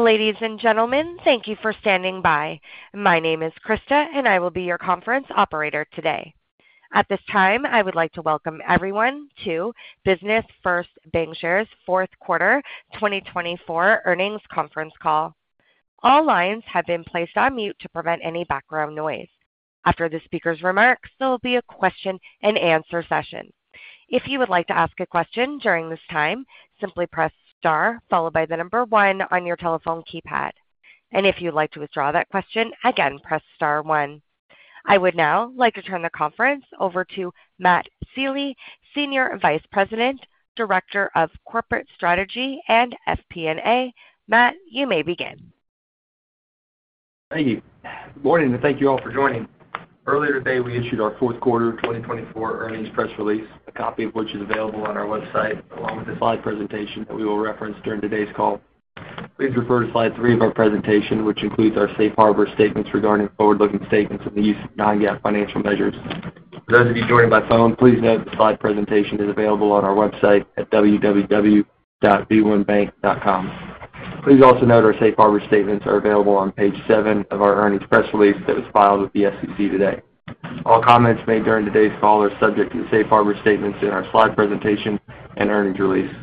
Ladies and gentlemen, thank you for standing by. My name is Krista, and I will be your conference operator today. At this time, I would like to welcome everyone to Business First Bancshares, fourth quarter 2024 earnings conference call. All lines have been placed on mute to prevent any background noise. After the speaker's remarks, there will be a question-and-answer session. If you would like to ask a question during this time, simply press star followed by the number one on your telephone keypad. And if you'd like to withdraw that question, again, press star one. I would now like to turn the conference over to Matt Sealy, Senior Vice President, Director of Corporate Strategy and FP&A. Matt, you may begin. Thank you. Good morning, and thank you all for joining. Earlier today, we issued our fourth quarter 2024 earnings press release, a copy of which is available on our website, along with the slide presentation that we will reference during today's call. Please refer to slide three of our presentation, which includes our safe harbor statements regarding forward-looking statements and the use of non-GAAP financial measures. For those of you joining by phone, please note the slide presentation is available on our website at www.b1bank.com. Please also note our safe harbor statements are available on page seven of our earnings press release that was filed with the SEC today. All comments made during today's call are subject to the safe harbor statements in our slide presentation and earnings release.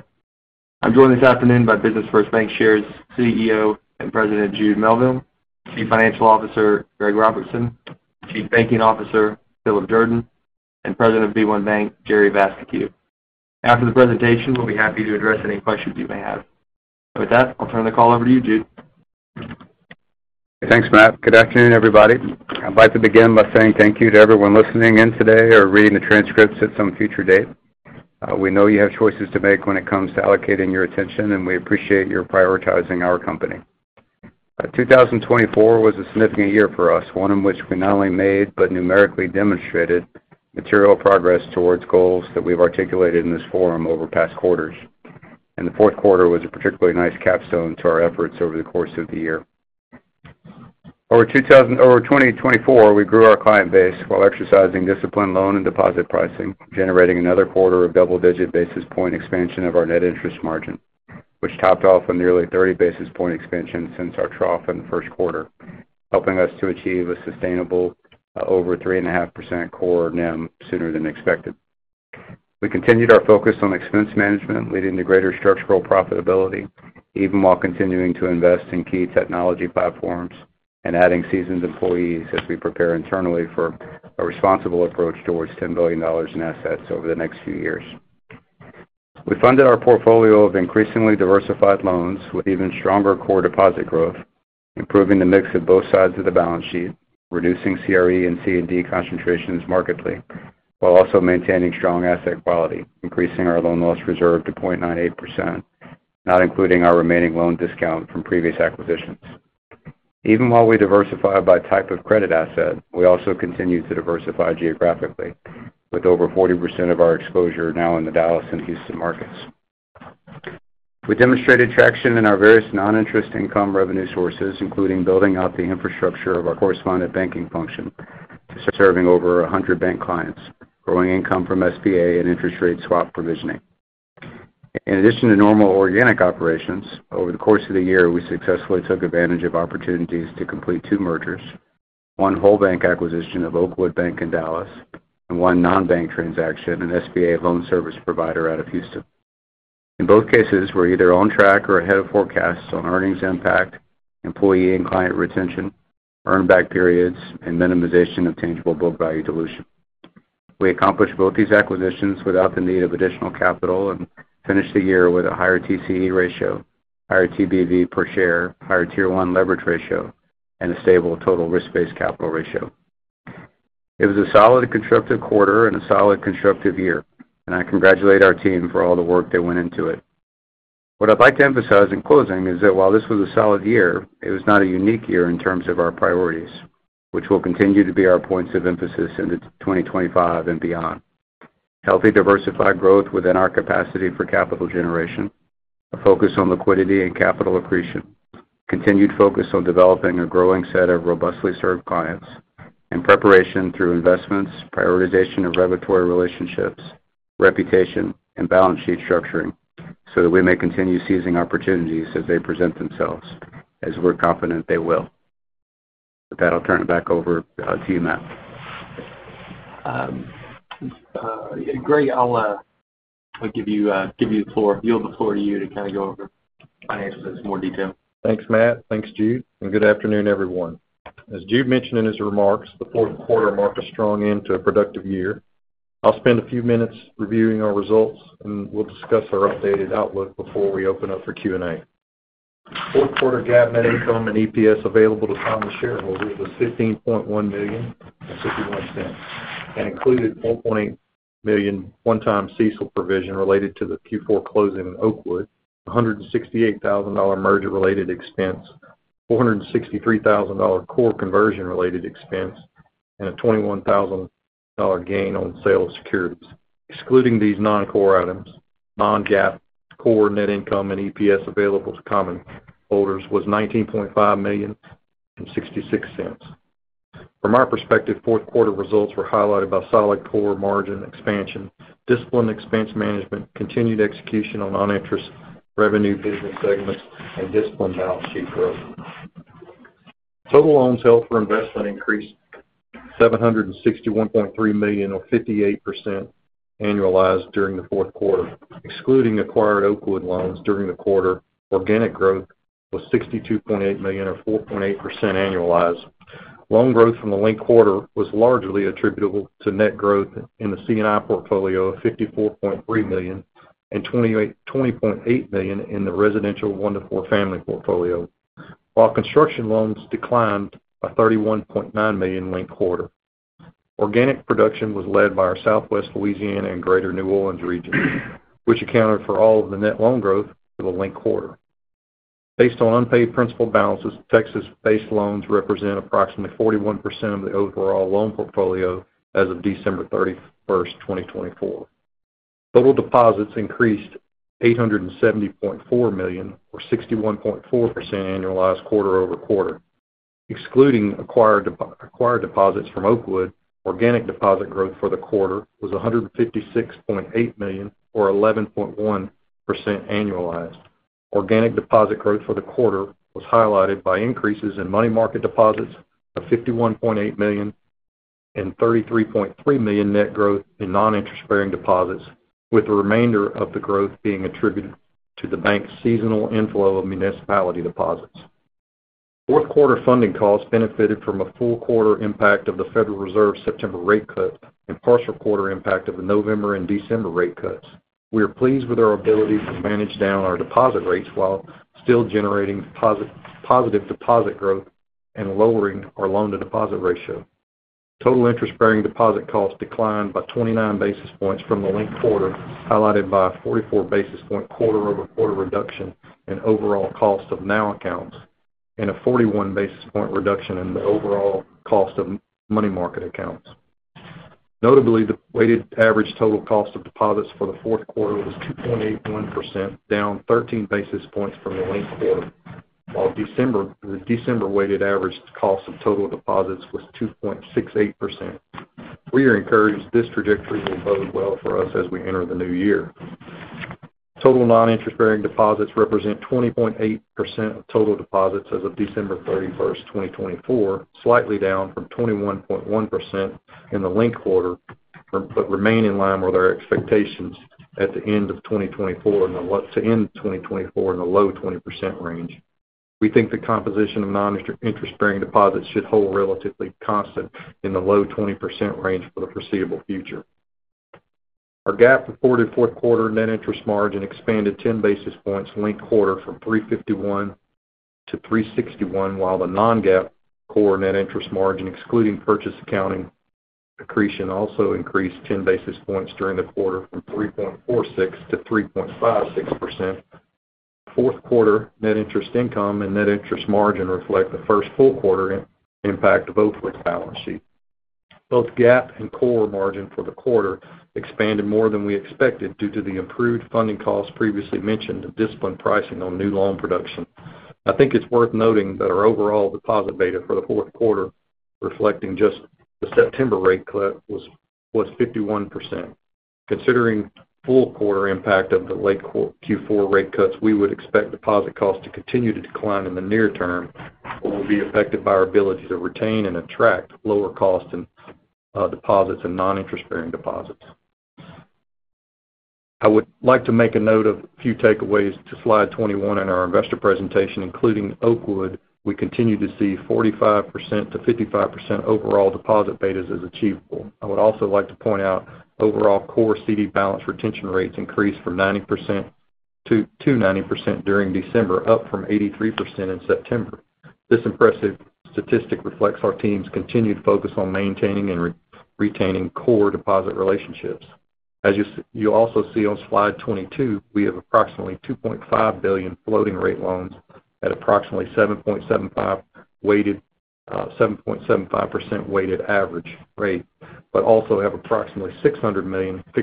I'm joined this afternoon by Business First Bancshares CEO and President Jude Melville, Chief Financial Officer Greg Robertson, Chief Banking Officer Philip Jordan, and President of b1BANK, Jerry Vascocu. After the presentation, we'll be happy to address any questions you may have. With that, I'll turn the call over to you, Jude. Thanks, Matt. Good afternoon, everybody. I'd like to begin by saying thank you to everyone listening in today or reading the transcripts at some future date. We know you have choices to make when it comes to allocating your attention, and we appreciate your prioritizing our company. 2024 was a significant year for us, one in which we not only made but numerically demonstrated material progress towards goals that we've articulated in this forum over past quarters, and the fourth quarter was a particularly nice capstone to our efforts over the course of the year. Over 2024, we grew our client base while exercising disciplined loan and deposit pricing, generating another quarter of double-digit basis point expansion of our net interest margin, which topped off a nearly 30 basis point expansion since our trough in the first quarter, helping us to achieve a sustainable over 3.5% core NIM sooner than expected. We continued our focus on expense management, leading to greater structural profitability, even while continuing to invest in key technology platforms and adding seasoned employees as we prepare internally for a responsible approach towards $10 billion in assets over the next few years. We funded our portfolio of increasingly diversified loans with even stronger core deposit growth, improving the mix of both sides of the balance sheet, reducing CRE and C&D concentrations markedly, while also maintaining strong asset quality, increasing our loan loss reserve to 0.98%, not including our remaining loan discount from previous acquisitions. Even while we diversify by type of credit asset, we also continue to diversify geographically, with over 40% of our exposure now in the Dallas and Houston markets. We demonstrated traction in our various non-interest income revenue sources, including building out the infrastructure of our correspondent banking function to serving over 100 bank clients, growing income from SBA and interest rate swap provisioning. In addition to normal organic operations, over the course of the year, we successfully took advantage of opportunities to complete two mergers: one whole bank acquisition of Oakwood Bank in Dallas and one non-bank transaction, an SBA loan service provider out of Houston. In both cases, we're either on track or ahead of forecasts on earnings impact, employee and client retention, earnback periods, and minimization of tangible book value dilution. We accomplished both these acquisitions without the need of additional capital and finished the year with a higher TCE ratio, higher TBV per share, higher Tier 1 leverage ratio, and a stable Total Risk-Based Capital Ratio. It was a solid, constructive quarter and a solid, constructive year, and I congratulate our team for all the work that went into it. What I'd like to emphasize in closing is that while this was a solid year, it was not a unique year in terms of our priorities, which will continue to be our points of emphasis into 2025 and beyond: healthy diversified growth within our capacity for capital generation, a focus on liquidity and capital accretion, continued focus on developing a growing set of robustly served clients, and preparation through investments, prioritization of regulatory relationships, reputation, and balance sheet structuring so that we may continue seizing opportunities as they present themselves, as we're confident they will. With that, I'll turn it back over to you, Matt. Greg, I'll give you the floor. I'll yield the floor to you to kind of go over financials in more detail. Thanks, Matt. Thanks, Jude. And good afternoon, everyone. As Jude mentioned in his remarks, the fourth quarter marked a strong end to a productive year. I'll spend a few minutes reviewing our results, and we'll discuss our updated outlook before we open up for Q&A. Fourth quarter GAAP net income and EPS available to common shareholders was $15.1 million, and included $4.8 million one-time CECL provision related to the Q4 closing in Oakwood, a $168,000 merger-related expense, $463,000 core conversion-related expense, and a $21,000 gain on sale of securities. Excluding these non-core items, non-GAAP core net income and EPS available to common holders was $19.5 million and $0.66. From our perspective, fourth quarter results were highlighted by solid core margin expansion, disciplined expense management, continued execution on non-interest revenue business segments, and disciplined balance sheet growth. Total loans held for investment increased $761.3 million, or 58% annualized during the fourth quarter. Excluding acquired Oakwood loans during the quarter, organic growth was $62.8 million, or 4.8% annualized. Loan growth from the linked quarter was largely attributable to net growth in the C&I portfolio of $54.3 million and $20.8 million in the residential one-to-four family portfolio, while construction loans declined by $31.9 million linked quarter. Organic production was led by our Southwest Louisiana and Greater New Orleans regions, which accounted for all of the net loan growth for the linked quarter. Based on unpaid principal balances, Texas-based loans represent approximately 41% of the overall loan portfolio as of December 31st, 2024. Total deposits increased $870.4 million, or 61.4% annualized quarter over quarter. Excluding acquired deposits from Oakwood, organic deposit growth for the quarter was $156.8 million, or 11.1% annualized. Organic deposit growth for the quarter was highlighted by increases in money market deposits of $51.8 million and $33.3 million net growth in non-interest-bearing deposits, with the remainder of the growth being attributed to the bank's seasonal inflow of municipality deposits. Fourth quarter funding costs benefited from a full quarter impact of the Federal Reserve's September rate cuts and partial quarter impact of the November and December rate cuts. We are pleased with our ability to manage down our deposit rates while still generating positive deposit growth and lowering our loan-to-deposit ratio. Total interest-bearing deposit costs declined by 29 basis points from the linked quarter, highlighted by a 44 basis point quarter-over-quarter reduction in overall cost of NOW accounts and a 41 basis point reduction in the overall cost of money market accounts. Notably, the weighted average total cost of deposits for the fourth quarter was 2.81%, down 13 basis points from the linked quarter, while the December weighted average cost of total deposits was 2.68%. We are encouraged this trajectory will bode well for us as we enter the new year. Total non-interest-bearing deposits represent 20.8% of total deposits as of December 31st, 2024, slightly down from 21.1% in the linked quarter, but remain in line with our expectations at the end of 2024 and the low 20% range. We think the composition of non-interest-bearing deposits should hold relatively constant in the low 20% range for the foreseeable future. Our GAAP reported fourth quarter net interest margin expanded 10 basis points linked quarter from 3.51 to 3.61, while the non-GAAP core net interest margin, excluding purchase accounting accretion, also increased 10 basis points during the quarter from 3.46 to 3.56%. Fourth quarter net interest income and net interest margin reflect the first full quarter impact of Oakwood's balance sheet. Both GAAP and core margin for the quarter expanded more than we expected due to the improved funding costs previously mentioned of disciplined pricing on new loan production. I think it's worth noting that our overall deposit beta for the fourth quarter, reflecting just the September rate cut, was 51%. Considering full quarter impact of the late Q4 rate cuts, we would expect deposit costs to continue to decline in the near term and will be affected by our ability to retain and attract lower cost in-market deposits and non-interest-bearing deposits. I would like to make a note of a few takeaways to slide 21 in our investor presentation, including Oakwood. We continue to see 45%-55% overall deposit betas as achievable. I would also like to point out overall core CD balance retention rates increased from 90% to 90% during December, up from 83% in September. This impressive statistic reflects our team's continued focus on maintaining and retaining core deposit relationships. As you'll also see on slide 22, we have approximately $2.5 billion floating rate loans at approximately 7.75% weighted average rate, but also have approximately $600 million in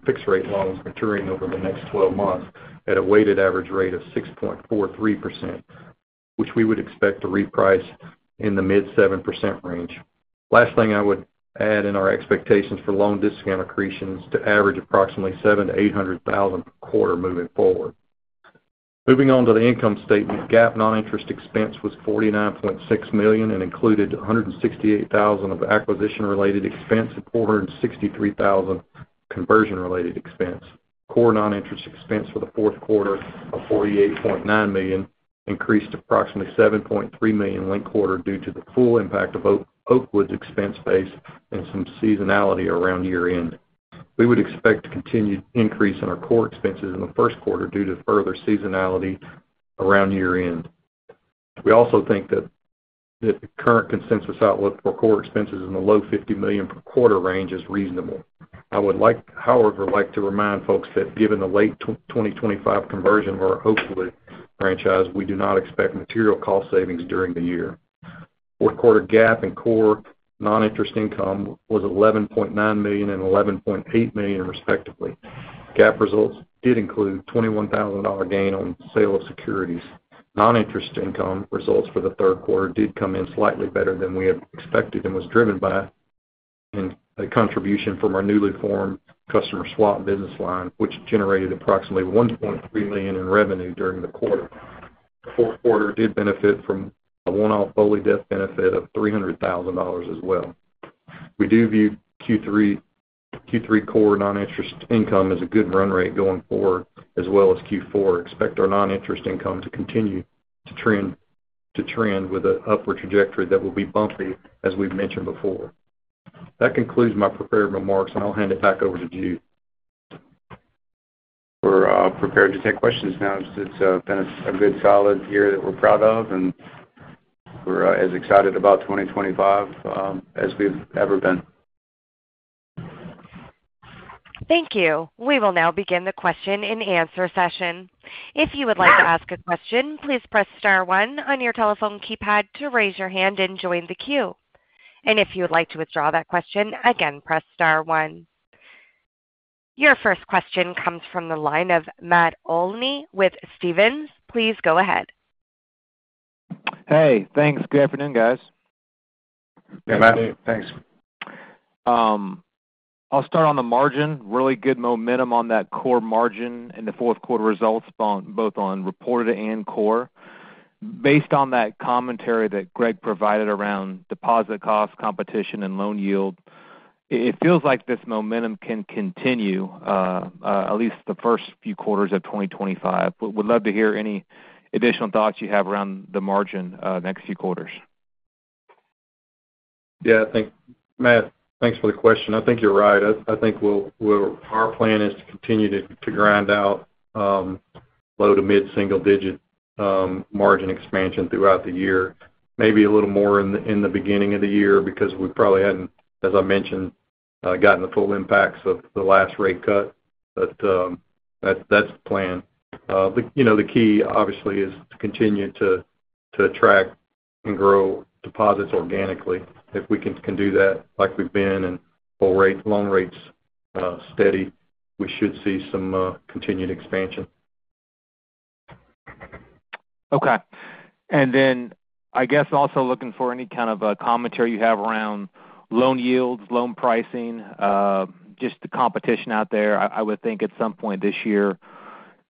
fixed rate loans maturing over the next 12 months at a weighted average rate of 6.43%, which we would expect to reprice in the mid-7% range. Last thing I would add in our expectations for loan discount accretions to average approximately $700,000-$800,000 per quarter moving forward. Moving on to the income statement, GAAP non-interest expense was $49.6 million and included $168,000 of acquisition-related expense and $463,000 conversion-related expense. Core non-interest expense for the fourth quarter of $48.9 million increased approximately $7.3 million linked quarter due to the full impact of Oakwood's expense base and some seasonality around year-end. We would expect a continued increase in our core expenses in the first quarter due to further seasonality around year-end. We also think that the current consensus outlook for core expenses in the low-$50 million per quarter range is reasonable. I would, however, like to remind folks that given the late 2025 conversion of our Oakwood franchise, we do not expect material cost savings during the year. Fourth quarter GAAP and core non-interest income was $11.9 million and $11.8 million, respectively. GAAP results did include a $21,000 gain on sale of securities. Non-interest income results for the third quarter did come in slightly better than we had expected and was driven by a contribution from our newly formed customer swap business line, which generated approximately $1.3 million in revenue during the quarter. The fourth quarter did benefit from a one-off BOLI death benefit of $300,000 as well. We do view Q3 core non-interest income as a good run rate going forward, as well as Q4. Expect our non-interest income to continue to trend with an upward trajectory that will be bumpy, as we've mentioned before. That concludes my prepared remarks, and I'll hand it back over to Jude. We're prepared to take questions now. It's been a good solid year that we're proud of, and we're as excited about 2025 as we've ever been. Thank you. We will now begin the question-and-answer session. If you would like to ask a question, please press star one on your telephone keypad to raise your hand and join the queue. And if you would like to withdraw that question, again, press star one. Your first question comes from the line of Matt Olney with Stephens. Please go ahead. Hey. Thanks. Good afternoon, guys. Hey, Matt. Thanks. I'll start on the margin. Really good momentum on that core margin in the fourth quarter results, both on reported and core. Based on that commentary that Greg provided around deposit costs, competition, and loan yield, it feels like this momentum can continue, at least the first few quarters of 2025. We'd love to hear any additional thoughts you have around the margin next few quarters. Yeah. Matt, thanks for the question. I think you're right. I think our plan is to continue to grind out low to mid-single-digit margin expansion throughout the year, maybe a little more in the beginning of the year because we probably hadn't, as I mentioned, gotten the full impacts of the last rate cut. But that's the plan. The key, obviously, is to continue to attract and grow deposits organically. If we can do that like we've been and hold loan rates steady, we should see some continued expansion. Okay. And then I guess also looking for any kind of commentary you have around loan yields, loan pricing, just the competition out there. I would think at some point this year,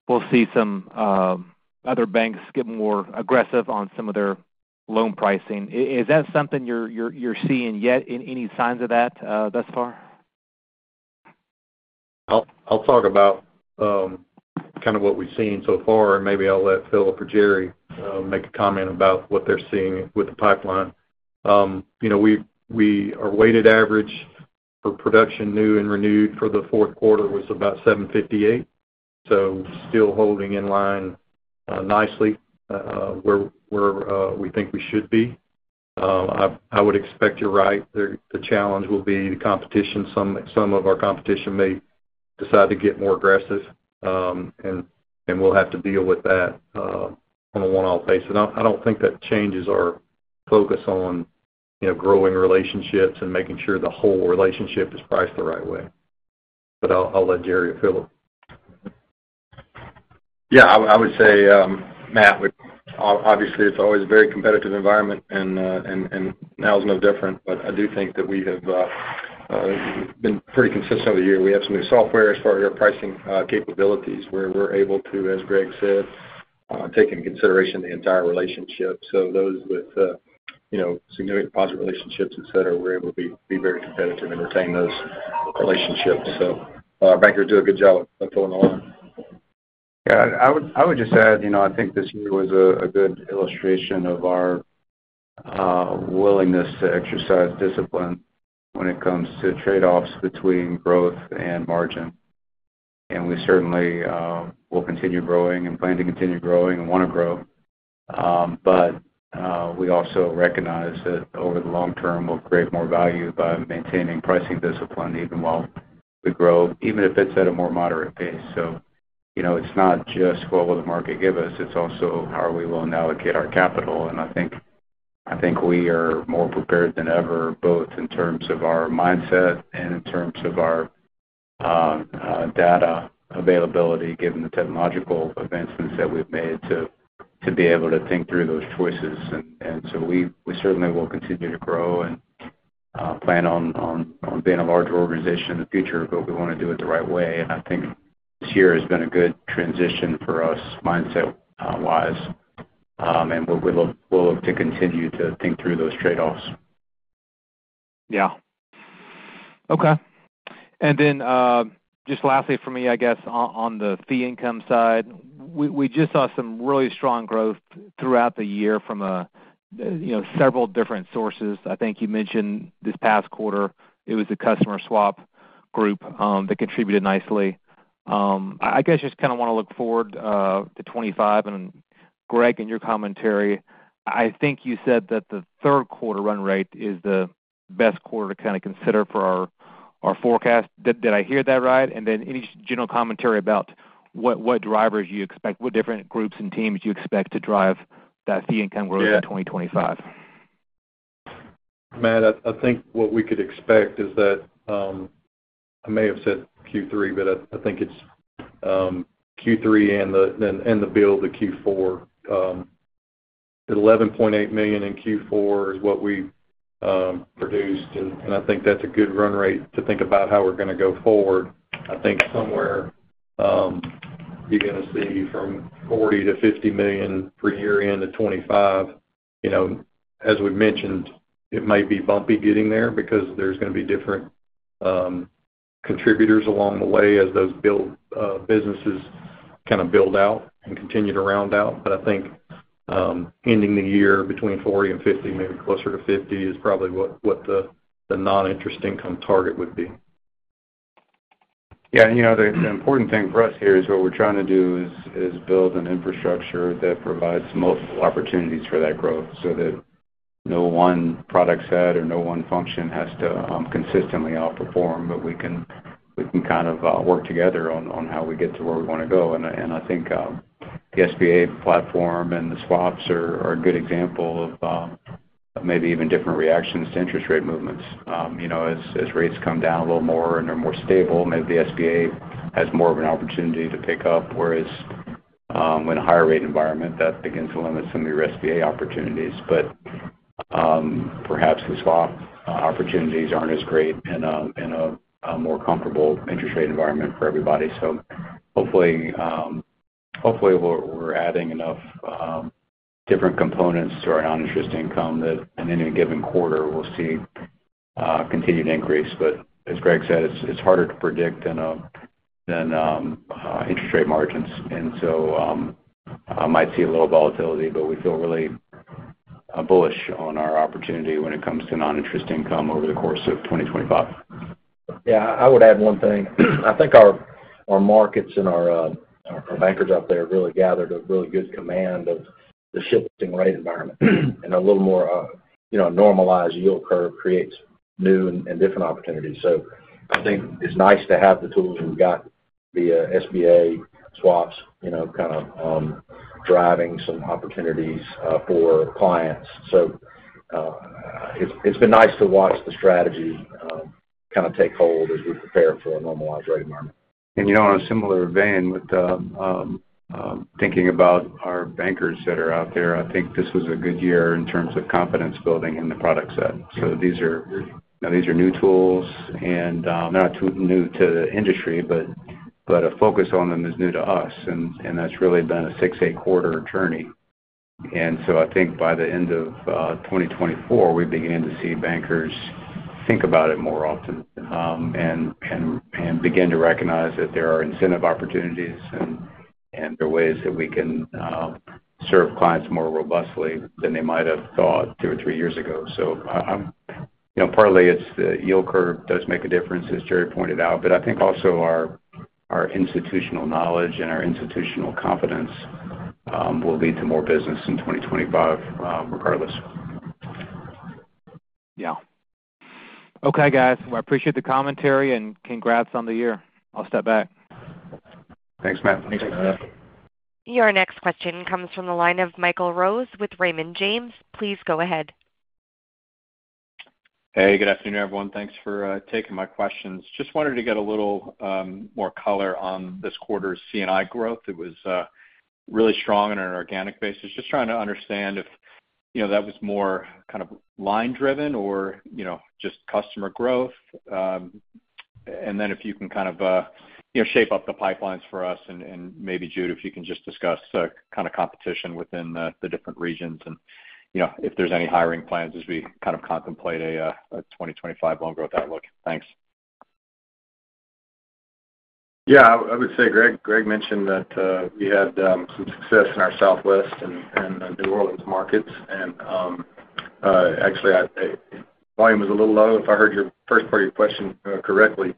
we'll see some other banks get more aggressive on some of their loan pricing. Is that something you're seeing yet? Any signs of that thus far? I'll talk about kind of what we've seen so far, and maybe I'll let Philip or Jerry make a comment about what they're seeing with the pipeline. Our weighted average for production new and renewed for the fourth quarter was about $758. So still holding in line nicely, where we think we should be. I would expect you're right. The challenge will be the competition. Some of our competition may decide to get more aggressive, and we'll have to deal with that on a one-off basis. And I don't think that changes our focus on growing relationships and making sure the whole relationship is priced the right way. But I'll let Jerry or Philip. Yeah. I would say, Matt, obviously, it's always a very competitive environment, and now is no different. But I do think that we have been pretty consistent over the year. We have some new software as far as our pricing capabilities, where we're able to, as Greg said, take into consideration the entire relationship. So those with significant deposit relationships, etc., we're able to be very competitive and retain those relationships. So our bankers do a good job of pulling along. Yeah. I would just add, I think this year was a good illustration of our willingness to exercise discipline when it comes to trade-offs between growth and margin. And we certainly will continue growing and plan to continue growing and want to grow. But we also recognize that over the long term, we'll create more value by maintaining pricing discipline even while we grow, even if it's at a more moderate pace. So it's not just, "Well, what will the market give us?" It's also, "How are we willing to allocate our capital?" And I think we are more prepared than ever, both in terms of our mindset and in terms of our data availability, given the technological advancements that we've made, to be able to think through those choices. And so we certainly will continue to grow and plan on being a larger organization in the future, but we want to do it the right way. And I think this year has been a good transition for us, mindset-wise, and we'll look to continue to think through those trade-offs. Yeah. Okay. And then just lastly for me, I guess, on the fee income side, we just saw some really strong growth throughout the year from several different sources. I think you mentioned this past quarter, it was the customer swap group that contributed nicely. I guess I just kind of want to look forward to 2025. And Greg, in your commentary, I think you said that the third quarter run rate is the best quarter to kind of consider for our forecast. Did I hear that right? And then any general commentary about what drivers you expect, what different groups and teams you expect to drive that fee income growth in 2025? Matt, I think what we could expect is that I may have said Q3, but I think it's Q3 and the build to Q4. The $11.8 million in Q4 is what we produced, and I think that's a good run rate to think about how we're going to go forward. I think somewhere you're going to see from $40-$50 million per year into 2025. As we've mentioned, it may be bumpy getting there because there's going to be different contributors along the way as those businesses kind of build out and continue to round out. But I think ending the year between $40 and $50, maybe closer to $50, is probably what the non-interest income target would be. Yeah. The important thing for us here is what we're trying to do is build an infrastructure that provides multiple opportunities for that growth so that no one product set or no one function has to consistently outperform, but we can kind of work together on how we get to where we want to go, and I think the SBA platform and the swaps are a good example of maybe even different reactions to interest rate movements. As rates come down a little more and they're more stable, maybe the SBA has more of an opportunity to pick up, whereas in a higher rate environment, that begins to limit some of your SBA opportunities, but perhaps the swap opportunities aren't as great in a more comfortable interest rate environment for everybody, so hopefully, we're adding enough different components to our non-interest income that in any given quarter, we'll see continued increase. But as Greg said, it's harder to predict than interest rate margins. And so I might see a little volatility, but we feel really bullish on our opportunity when it comes to non-interest income over the course of 2025. Yeah. I would add one thing. I think our markets and our bankers out there have really gathered a really good command of the shifting rate environment. And a little more normalized yield curve creates new and different opportunities. So I think it's nice to have the tools we've got via SBA swaps kind of driving some opportunities for clients. So it's been nice to watch the strategy kind of take hold as we prepare for a normalized rate environment. On a similar vein, when thinking about our bankers that are out there, I think this was a good year in terms of confidence building in the product set. These are new tools, and they're not too new to the industry, but a focus on them is new to us. That's really been a six-to-eight quarter journey. By the end of 2024, we begin to see bankers think about it more often and begin to recognize that there are incentive opportunities and there are ways that we can serve clients more robustly than they might have thought two or three years ago. Partly, it's the yield curve that does make a difference, as Jerry pointed out. Our institutional knowledge and our institutional confidence will lead to more business in 2025 regardless. Yeah. Okay, guys. Well, I appreciate the commentary and congrats on the year. I'll step back. Thanks, Matt. Thanks, Matt. Your next question comes from the line of Michael Rose with Raymond James. Please go ahead. Hey. Good afternoon, everyone. Thanks for taking my questions. Just wanted to get a little more color on this quarter's C&I growth. It was really strong on an organic basis. Just trying to understand if that was more kind of line-driven or just customer growth. And then if you can kind of shape up the pipelines for us. And maybe, Jude, if you can just discuss kind of competition within the different regions and if there's any hiring plans as we kind of contemplate a 2025 loan growth outlook. Thanks. Yeah. I would say Greg mentioned that we had some success in our Southwest and New Orleans markets, and actually, volume was a little low. If I heard your first part of your question correctly,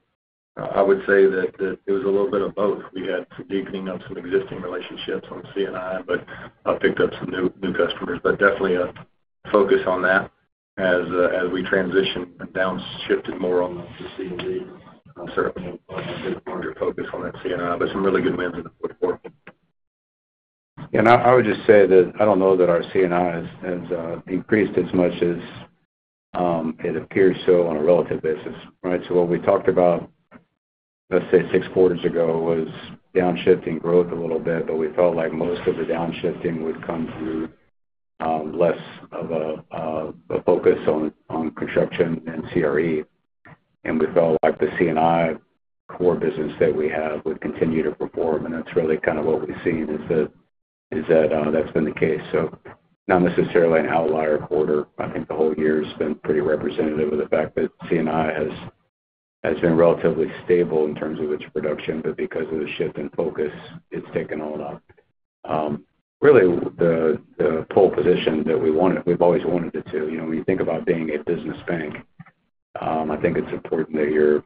I would say that it was a little bit of both. We had some deepening of some existing relationships on C&I, but I picked up some new customers, but definitely a focus on that as we transitioned and downshifted more on the C&D. Certainly, a bit of a larger focus on that C&I, but some really good wins in the fourth quarter. Yeah. I would just say that I don't know that our C&I has increased as much as it appears, so on a relative basis, right? So what we talked about, let's say, six quarters ago was downshifting growth a little bit, but we felt like most of the downshifting would come through less of a focus on construction and CRE. And we felt like the C&I core business that we have would continue to perform. And that's really kind of what we've seen is that that's been the case. So not necessarily an outlier quarter. I think the whole year has been pretty representative of the fact that C&I has been relatively stable in terms of its production, but because of the shift in focus, it's taken on up. Really, the pole position that we've always wanted it to. When you think about being a business bank, I think it's important that you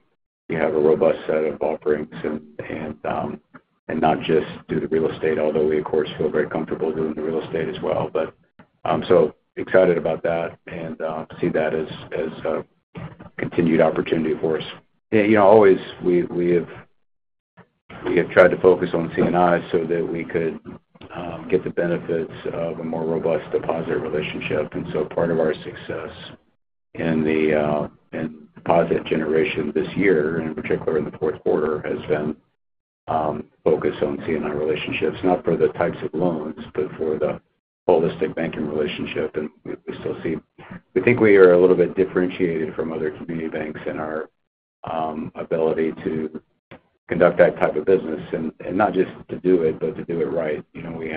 have a robust set of offerings and not just do the real estate, although we, of course, feel very comfortable doing the real estate as well, but so excited about that and see that as a continued opportunity for us. Always, we have tried to focus on C&I so that we could get the benefits of a more robust deposit relationship, and so part of our success in the deposit generation this year, and in particular in the fourth quarter, has been focused on C&I relationships, not for the types of loans, but for the holistic banking relationship, and we still see we think we are a little bit differentiated from other community banks in our ability to conduct that type of business, and not just to do it, but to do it right. We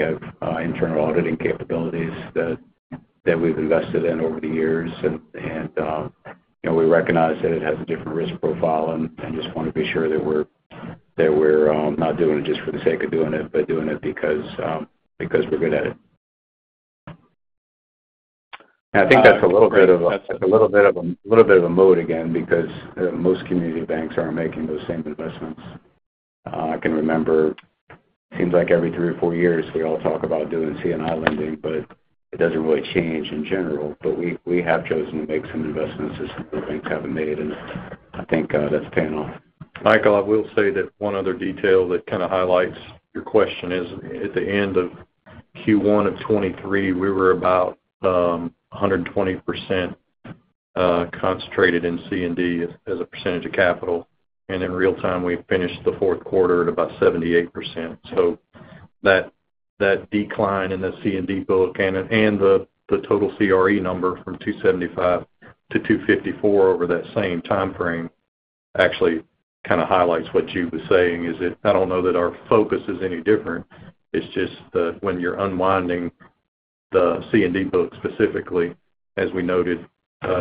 have internal auditing capabilities that we've invested in over the years, and we recognize that it has a different risk profile. And I just want to be sure that we're not doing it just for the sake of doing it, but doing it because we're good at it. And I think that's a little bit of a mood again because most community banks aren't making those same investments. I can remember, it seems like every three or four years, we all talk about doing C&I lending, but it doesn't really change in general. But we have chosen to make some investments as some of the banks haven't made. And I think that's paying off. Michael, I will say that one other detail that kind of highlights your question is at the end of Q1 of 2023, we were about 120% concentrated in C&D as a percentage of capital. And in real time, we finished the fourth quarter at about 78%. So that decline in the C&D book and the total CRE number from $275 to $254 over that same timeframe actually kind of highlights what Jude was saying, is that I don't know that our focus is any different. It's just that when you're unwinding the C&D book specifically, as we noted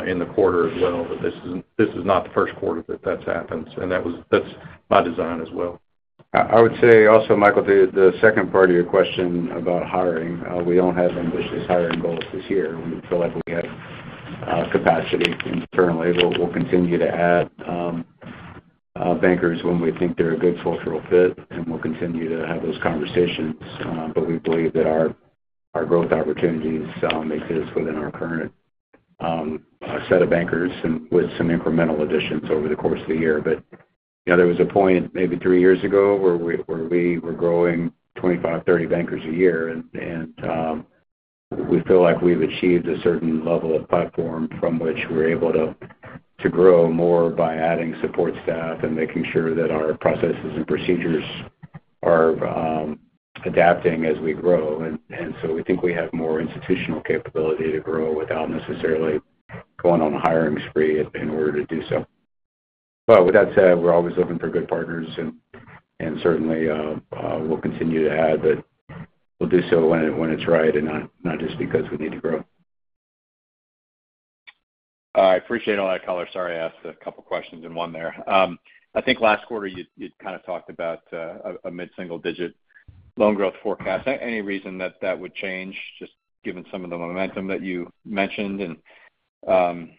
in the quarter as well, that this is not the first quarter that that's happened. And that's my design as well. I would say also, Michael, the second part of your question about hiring, we don't have ambitious hiring goals this year. We feel like we have capacity internally. We'll continue to add bankers when we think they're a good cultural fit, and we'll continue to have those conversations. But we believe that our growth opportunities exist within our current set of bankers and with some incremental additions over the course of the year. But there was a point maybe three years ago where we were growing 25, 30 bankers a year. And we feel like we've achieved a certain level of platform from which we're able to grow more by adding support staff and making sure that our processes and procedures are adapting as we grow. And so we think we have more institutional capability to grow without necessarily going on a hiring spree in order to do so. But with that said, we're always looking for good partners. Certainly, we'll continue to add, but we'll do so when it's right and not just because we need to grow. I appreciate all that, Color. Sorry I asked a couple of questions in one there. I think last quarter, you'd kind of talked about a mid-single-digit loan growth forecast. Any reason that that would change, just given some of the momentum that you mentioned? And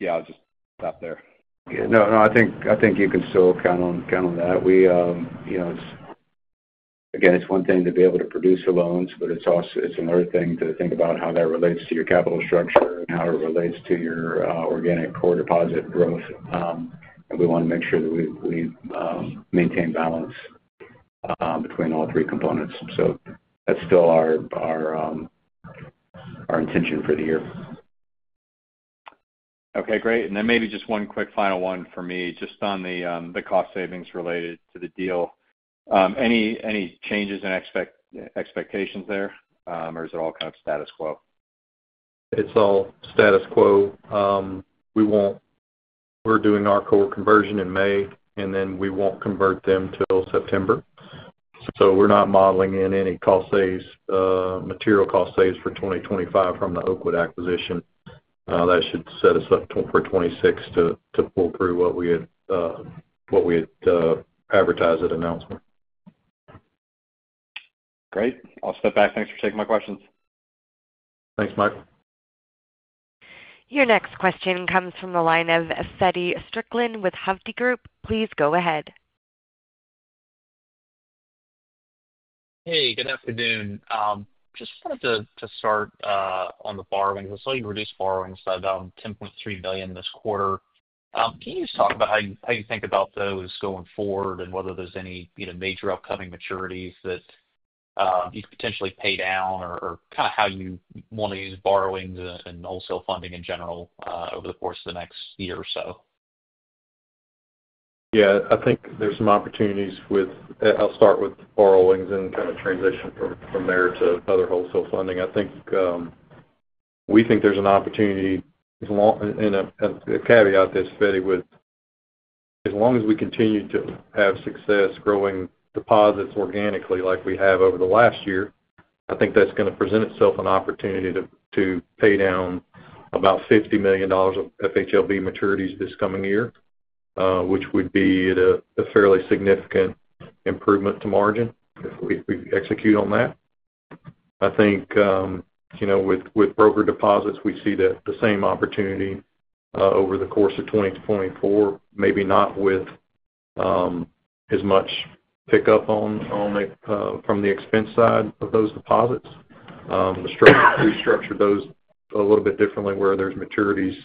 yeah, I'll just stop there. Yeah. No, no. I think you can still count on that. Again, it's one thing to be able to produce the loans, but it's another thing to think about how that relates to your capital structure and how it relates to your organic core deposit growth. And we want to make sure that we maintain balance between all three components. So that's still our intention for the year. Okay. Great. And then maybe just one quick final one for me, just on the cost savings related to the deal. Any changes in expectations there, or is it all kind of status quo? It's all status quo. We're doing our core conversion in May, and then we won't convert them till September. So we're not modeling in any material cost saves for 2025 from the Oakwood acquisition. That should set us up for 2026 to pull through what we had advertised at announcement. Great. I'll step back. Thanks for taking my questions. Thanks, Mike. Your next question comes from the line of Feddie Strickland with Hovde Group. Please go ahead. Hey. Good afternoon. Just wanted to start on the borrowings. I saw you reduce borrowings by about $10.3 billion this quarter. Can you just talk about how you think about those going forward and whether there's any major upcoming maturities that you could potentially pay down or kind of how you want to use borrowings and wholesale funding in general over the course of the next year or so? Yeah. I think there's some opportunities with, I'll start with borrowings and kind of transition from there to other wholesale funding. I think we think there's an opportunity, and a caveat to this, Feddie, with as long as we continue to have success growing deposits organically like we have over the last year, I think that's going to present itself an opportunity to pay down about $50 million of FHLB maturities this coming year, which would be a fairly significant improvement to margin if we execute on that. I think with broker deposits, we see the same opportunity over the course of 2024, maybe not with as much pickup on it from the expense side of those deposits. We structure those a little bit differently where there's maturities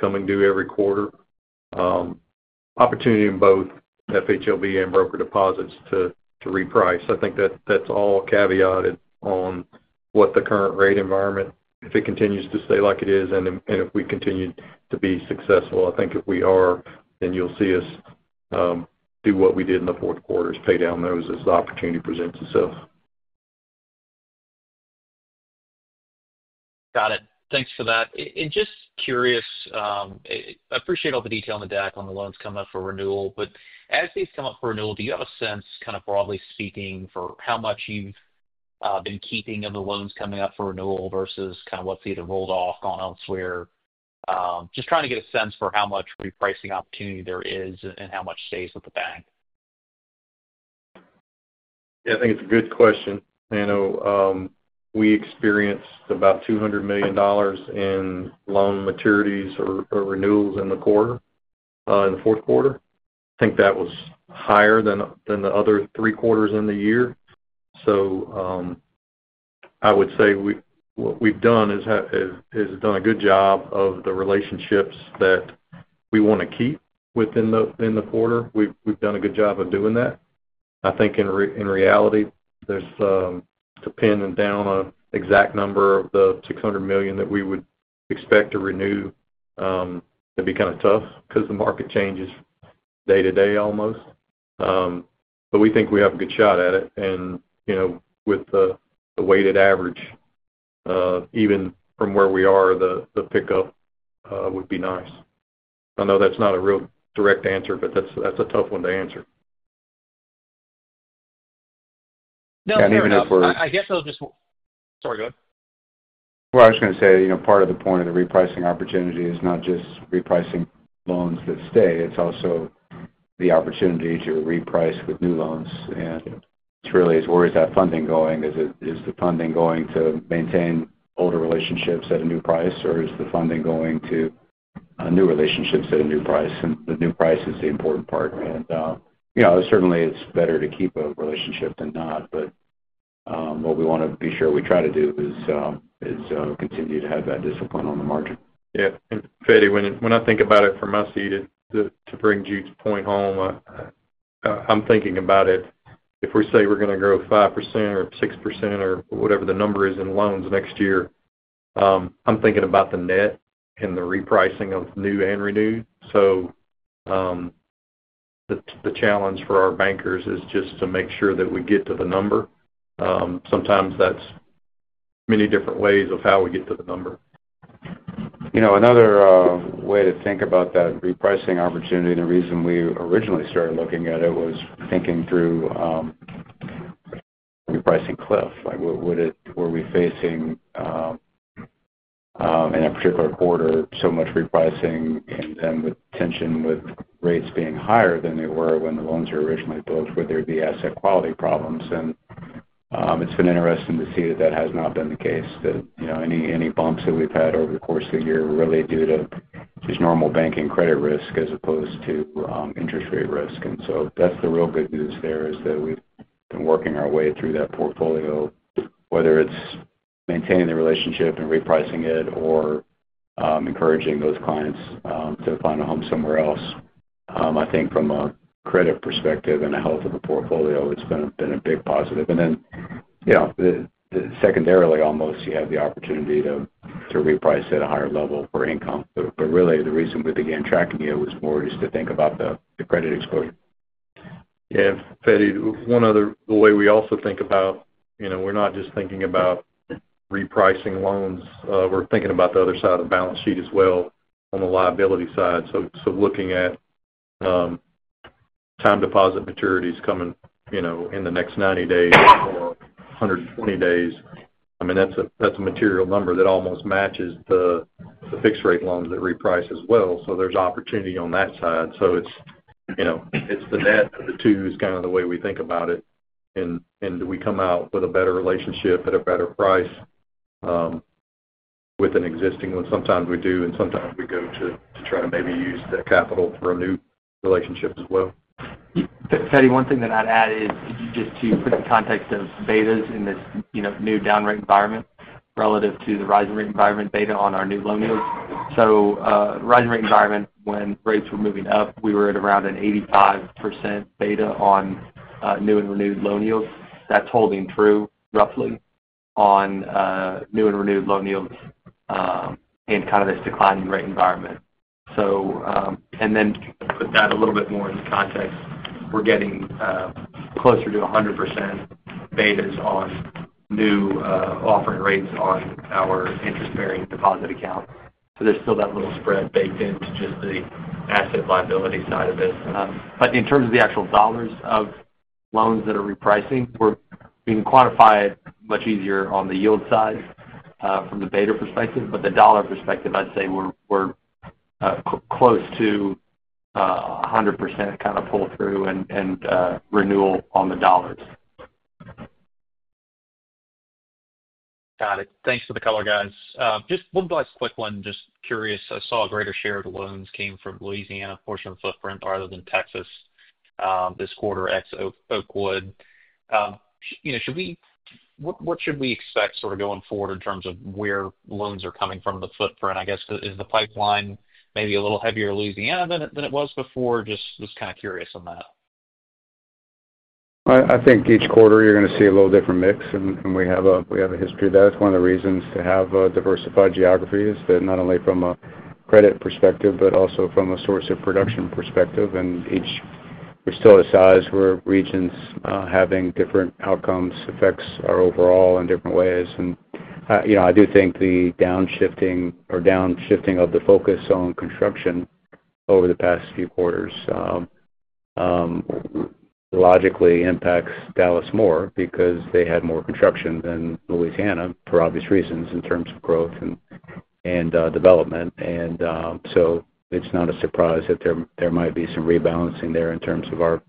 come and go every quarter. Opportunity in both FHLB and broker deposits to reprice. I think that that's all caveated on what the current rate environment, if it continues to stay like it is, and if we continue to be successful. I think if we are, then you'll see us do what we did in the fourth quarter is pay down those as the opportunity presents itself. Got it. Thanks for that. And just curious, I appreciate all the detail on the deck on the loans coming up for renewal. But as these come up for renewal, do you have a sense, kind of broadly speaking, for how much you've been keeping of the loans coming up for renewal versus kind of what's either rolled off, gone elsewhere? Just trying to get a sense for how much repricing opportunity there is and how much stays with the bank. Yeah. I think it's a good question. We experienced about $200 million in loan maturities or renewals in the fourth quarter. I think that was higher than the other three quarters in the year. So I would say what we've done is done a good job of the relationships that we want to keep within the quarter. We've done a good job of doing that. I think in reality, to pin down an exact number of the $600 million that we would expect to renew, it'd be kind of tough because the market changes day-to-day almost. But we think we have a good shot at it. And with the weighted average, even from where we are, the pickup would be nice. I know that's not a real direct answer, but that's a tough one to answer. No. Even if we're. I guess I'll just. Sorry. Go ahead. I was going to say part of the point of the repricing opportunity is not just repricing loans that stay. It's also the opportunity to reprice with new loans. And it's really, where is that funding going? Is the funding going to maintain older relationships at a new price, or is the funding going to new relationships at a new price? And the new price is the important part. And certainly, it's better to keep a relationship than not. But what we want to be sure we try to do is continue to have that discipline on the margin. Yeah. And Feddie, when I think about it from my seat, to bring Jude's point home, I'm thinking about it. If we say we're going to grow 5% or 6% or whatever the number is in loans next year, I'm thinking about the net and the repricing of new and renewed. So the challenge for our bankers is just to make sure that we get to the number. Sometimes that's many different ways of how we get to the number. Another way to think about that repricing opportunity, and the reason we originally started looking at it was thinking through repricing cliff. Were we facing, in a particular quarter, so much repricing and then with tension with rates being higher than they were when the loans were originally booked, would there be asset quality problems, and it's been interesting to see that that has not been the case. Any bumps that we've had over the course of the year were really due to just normal banking credit risk as opposed to interest rate risk, and so that's the real good news there is that we've been working our way through that portfolio, whether it's maintaining the relationship and repricing it or encouraging those clients to find a home somewhere else. I think from a credit perspective and a health of the portfolio, it's been a big positive. And then secondarily, almost, you have the opportunity to reprice at a higher level for income. But really, the reason we began tracking it was more just to think about the credit exposure. Yeah. Feddie, the way we also think about we're not just thinking about repricing loans. We're thinking about the other side of the balance sheet as well on the liability side. So looking at time deposit maturities coming in the next 90 days or 120 days, I mean, that's a material number that almost matches the fixed-rate loans that reprice as well. So there's opportunity on that side. So it's the net of the two is kind of the way we think about it. And do we come out with a better relationship at a better price with an existing one? Sometimes we do, and sometimes we go to try to maybe use that capital for a new relationship as well. Feddie, one thing that I'd add is just to put in context of betas in this new down-rate environment relative to the rising rate environment beta on our new loan yields. So rising rate environment, when rates were moving up, we were at around an 85% beta on new and renewed loan yields. That's holding true roughly on new and renewed loan yields in kind of this declining rate environment. And then to put that a little bit more into context, we're getting closer to 100% betas on new offering rates on our interest-bearing deposit account. So there's still that little spread baked into just the asset liability side of this. But in terms of the actual dollars of loans that are repricing, we can quantify it much easier on the yield side from the beta perspective. But the dollar perspective, I'd say we're close to 100% kind of pull-through and renewal on the dollars. Got it. Thanks for the color, guys. Just one last quick one. Just curious. I saw a greater share of the loans came from Louisiana portion of the footprint rather than Texas this quarter ex Oakwood. What should we expect sort of going forward in terms of where loans are coming from the footprint? I guess is the pipeline maybe a little heavier in Louisiana than it was before? Just kind of curious on that. I think each quarter you're going to see a little different mix, and we have a history of that. It's one of the reasons to have a diversified geography is that not only from a credit perspective, but also from a source of production perspective, and we're still at a size where regions having different outcomes affects our overall in different ways, and I do think the downshifting of the focus on construction over the past few quarters logically impacts Dallas more because they had more construction than Louisiana for obvious reasons in terms of growth and development, and so it's not a surprise that there might be some rebalancing there in terms of our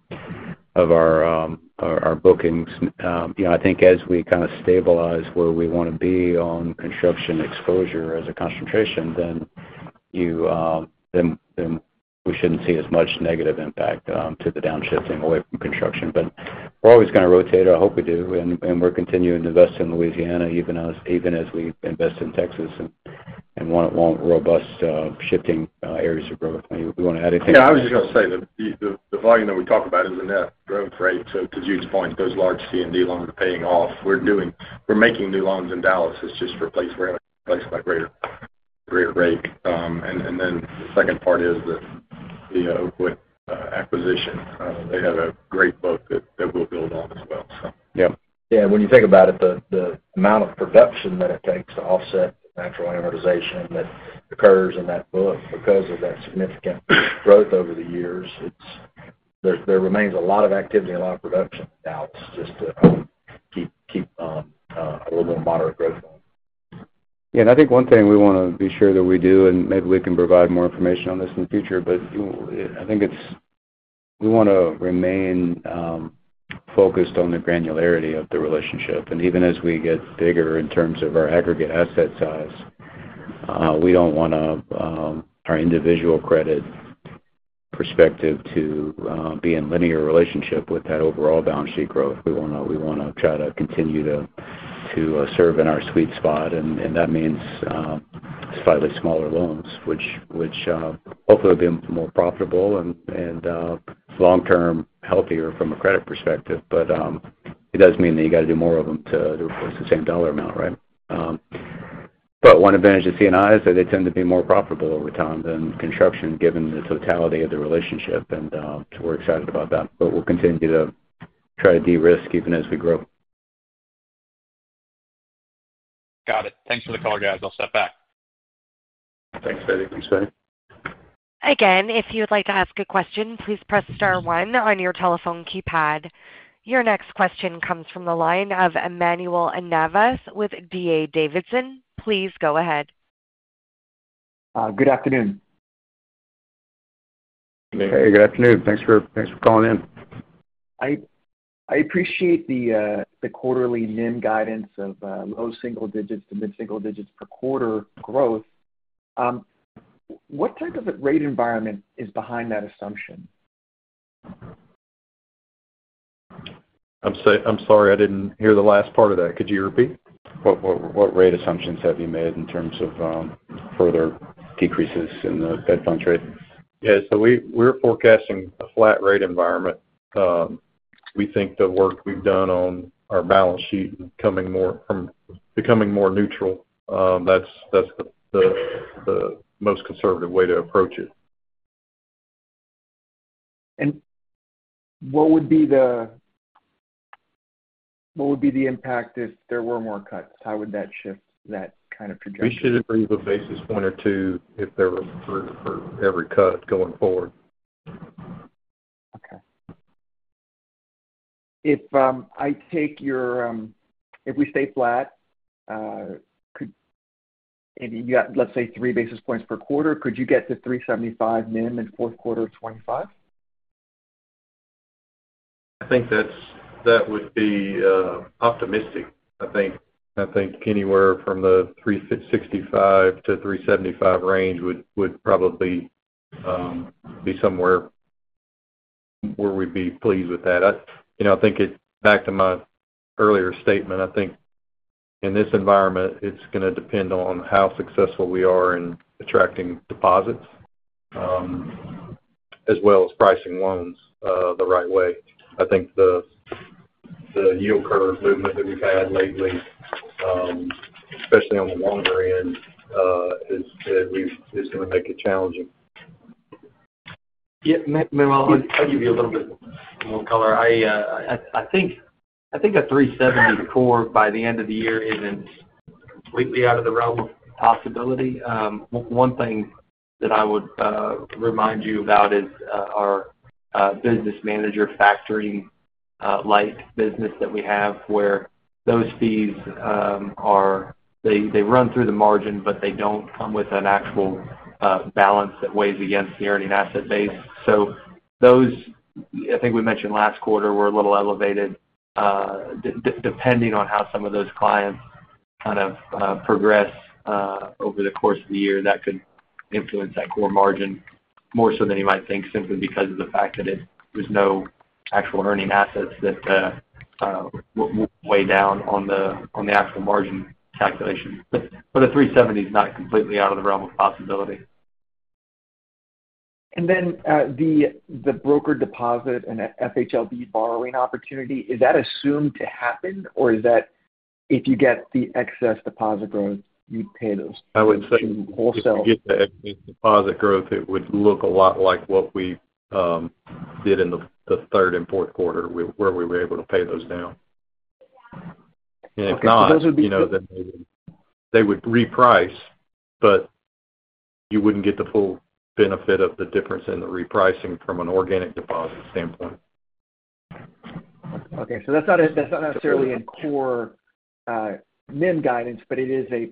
bookings. I think as we kind of stabilize where we want to be on construction exposure as a concentration, then we shouldn't see as much negative impact to the downshifting away from construction. But we're always going to rotate it. I hope we do and we're continuing to invest in Louisiana even as we invest in Texas and want robust shifting areas of growth. We want to add anything. Yeah. I was just going to say that the volume that we talk about is a net growth rate. So to Jude's point, those large C&D loans are paying off. We're making new loans in Dallas. It's just replaced by greater rate. And then the second part is the Oakwood acquisition. They have a great book that we'll build on as well, so. Yeah. Yeah. When you think about it, the amount of production that it takes to offset natural amortization that occurs in that book because of that significant growth over the years, there remains a lot of activity and a lot of production in Dallas just to keep a little more moderate growth going. Yeah. And I think one thing we want to be sure that we do, and maybe we can provide more information on this in the future, but I think we want to remain focused on the granularity of the relationship. And even as we get bigger in terms of our aggregate asset size, we don't want our individual credit perspective to be in linear relationship with that overall balance sheet growth. We want to try to continue to serve in our sweet spot. And that means slightly smaller loans, which hopefully will be more profitable and long-term healthier from a credit perspective. But it does mean that you got to do more of them to replace the same dollar amount, right? But one advantage of C&I is that they tend to be more profitable over time than construction given the totality of the relationship. And we're excited about that. But we'll continue to try to de-risk even as we grow. Got it. Thanks for the call, guys. I'll step back. Thanks, Feddie. Thanks, Feddie. Again, if you'd like to ask a question, please press star one on your telephone keypad. Your next question comes from the line of Manuel Navas with D.A. Davidson. Please go ahead. Good afternoon. Hey. Good afternoon. Thanks for calling in. I appreciate the quarterly NIM guidance of low single digits to mid-single digits per quarter growth. What type of rate environment is behind that assumption? I'm sorry. I didn't hear the last part of that. Could you repeat? What rate assumptions have you made in terms of further decreases in the Fed funds rate? Yeah. So we're forecasting a flat rate environment. We think the work we've done on our balance sheet and becoming more neutral, that's the most conservative way to approach it. And what would be the impact if there were more cuts? How would that shift that kind of trajectory? We should improve a basis point or two if there were ever a cut going forward. Okay. If I take your if we stay flat, maybe you got, let's say, three basis points per quarter. Could you get to 375 NIM and fourth quarter 2025? I think that would be optimistic. I think anywhere from the 365-375 range would probably be somewhere where we'd be pleased with that. I think back to my earlier statement, I think in this environment, it's going to depend on how successful we are in attracting deposits as well as pricing loans the right way. I think the yield curve movement that we've had lately, especially on the longer end, is going to make it challenging. Yeah. I'll give you a little bit more color. I think a 370 core by the end of the year isn't completely out of the realm of possibility. One thing that I would remind you about is our Business Manager factory-like business that we have where those fees, they run through the margin, but they don't come with an actual balance that weighs against the earning asset base. So those, I think we mentioned last quarter, were a little elevated. Depending on how some of those clients kind of progress over the course of the year, that could influence that core margin more so than you might think simply because of the fact that there's no actual earning assets that weigh down on the actual margin calculation. But a 370 is not completely out of the realm of possibility. And then the brokered deposit and FHLB borrowing opportunity, is that assumed to happen, or is that if you get the excess deposit growth, you'd pay those? I would say wholesale. If you get the excess deposit growth, it would look a lot like what we did in the third and fourth quarter where we were able to pay those down, and if not, then they would reprice, but you wouldn't get the full benefit of the difference in the repricing from an organic deposit standpoint. Okay, so that's not necessarily a core NIM guidance, but it is a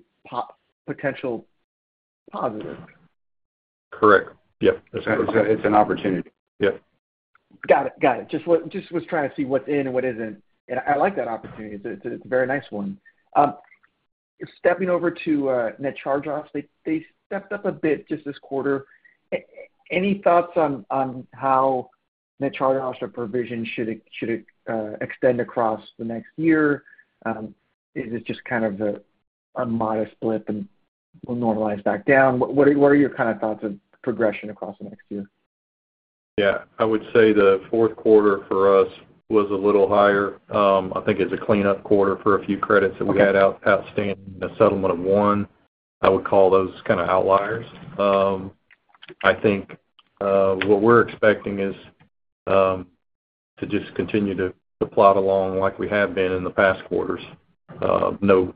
potential positive. Correct. Yeah. It's an opportunity. Yeah. Got it. Got it. Just was trying to see what's in and what isn't. And I like that opportunity. It's a very nice one. Stepping over to net charge-offs, they stepped up a bit just this quarter. Any thoughts on how net charge-offs or provision should extend across the next year? Is it just kind of a modest blip and will normalize back down? What are your kind of thoughts of progression across the next year? Yeah. I would say the fourth quarter for us was a little higher. I think it's a cleanup quarter for a few credits that we had outstanding, a settlement of one. I would call those kind of outliers. I think what we're expecting is to just continue to plot along like we have been in the past quarters. No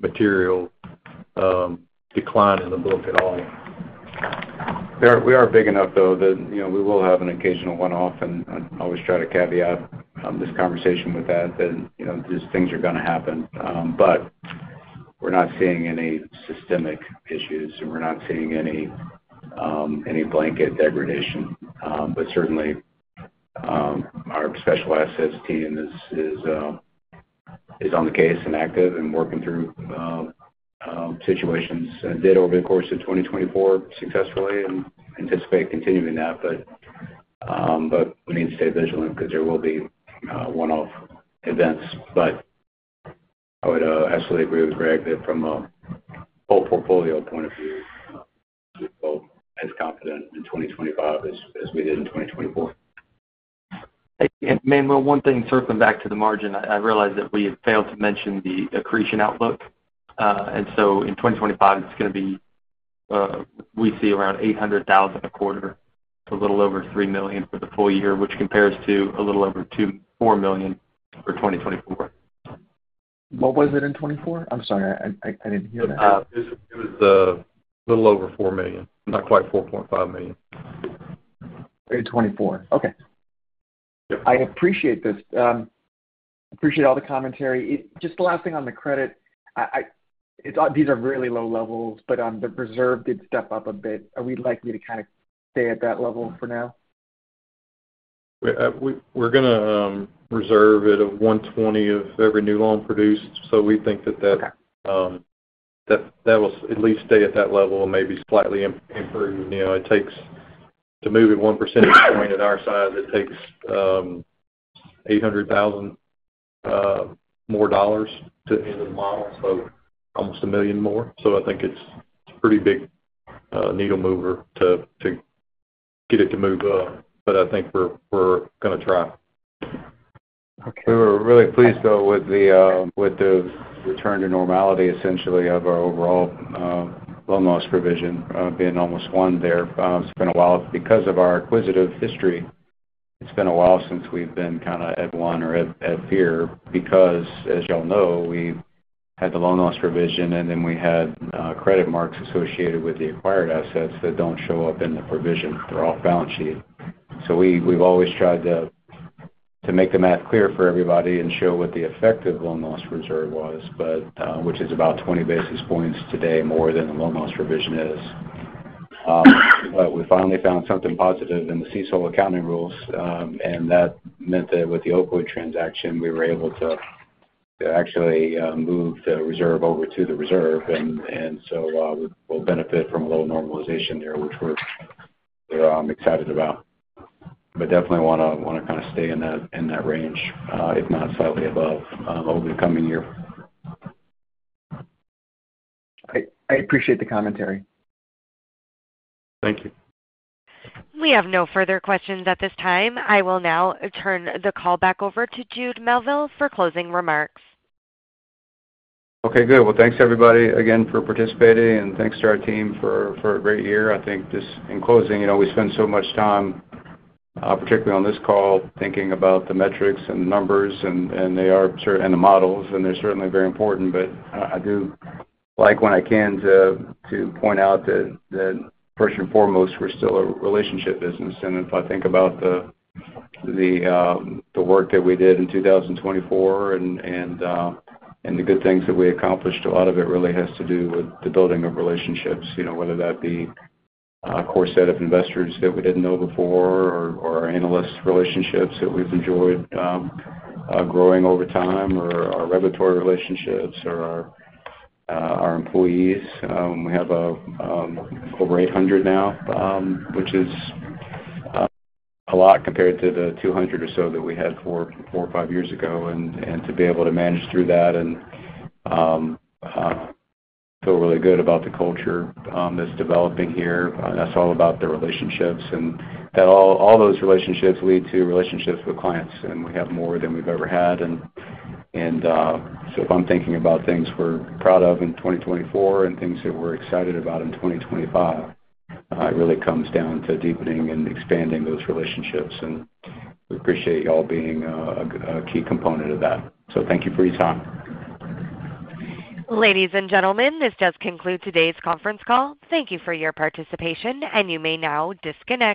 material decline in the book at all. We are big enough, though, that we will have an occasional one-off, and I always try to caveat this conversation with that, that these things are going to happen. But we're not seeing any systemic issues, and we're not seeing any blanket degradation. But certainly, our special assets team is on the case and active and working through situations and did over the course of 2024 successfully and anticipate continuing that. But we need to stay vigilant because there will be one-off events. But I would absolutely agree with Greg that from a whole portfolio point of view, we'll be as confident in 2025 as we did in 2024. And Manuel, one thing circling back to the margin, I realize that we had failed to mention the accretion outlook. And so in 2025, it's going to be we see around $800,000 a quarter, a little over $3 million for the full year, which compares to a little over $4 million for 2024. What was it in 2024? I'm sorry. I didn't hear that. It was a little over $4 million, not quite $4.5 million. In 2024. Okay. I appreciate this. Appreciate all the commentary. Just the last thing on the credit, these are really low levels, but the reserve did step up a bit. Are we likely to kind of stay at that level for now? We're going to reserve at a 120 of every new loan produced. So we think that that will at least stay at that level and maybe slightly improve. To move it 1% point at our size, it takes $800,000 more dollars to enter the model, so almost $1 million more. So I think it's a pretty big needle mover to get it to move. But I think we're going to try. We were really pleased, though, with the return to normality, essentially, of our overall loan loss provision being almost one there. It's been a while. Because of our acquisitive history, it's been a while since we've been kind of at one or a hair because, as y'all know, we had the loan loss provision, and then we had credit marks associated with the acquired assets that don't show up in the provision for off-balance sheet. So we've always tried to make the math clear for everybody and show what the effective loan loss reserve was, which is about 20 basis points today more than the loan loss provision is. But we finally found something positive in the CECL accounting rules, and that meant that with the Oakwood transaction, we were able to actually move the reserve over to the reserve. And so we'll benefit from a little normalization there, which we're excited about. But definitely want to kind of stay in that range, if not slightly above, over the coming year. I appreciate the commentary. Thank you. We have no further questions at this time. I will now turn the call back over to Jude Melville for closing remarks. Okay. Good. Well, thanks, everybody, again, for participating. And thanks to our team for a great year. I think just in closing, we spend so much time, particularly on this call, thinking about the metrics and the numbers, and they are certainly in the models, and they're certainly very important. But I do like, when I can, to point out that first and foremost, we're still a relationship business. And if I think about the work that we did in 2024 and the good things that we accomplished, a lot of it really has to do with the building of relationships, whether that be a core set of investors that we didn't know before or our analyst relationships that we've enjoyed growing over time or our repertoire relationships or our employees. We have over 800 now, which is a lot compared to the 200 or so that we had four or five years ago. And to be able to manage through that and feel really good about the culture that's developing here, that's all about the relationships. And all those relationships lead to relationships with clients, and we have more than we've ever had. And so if I'm thinking about things we're proud of in 2024 and things that we're excited about in 2025, it really comes down to deepening and expanding those relationships. And we appreciate y'all being a key component of that. So thank you for your time. Ladies and gentlemen, this does conclude today's conference call. Thank you for your participation, and you may now disconnect.